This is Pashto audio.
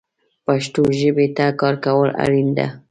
پښتو ژبې ته کار کول اړین دي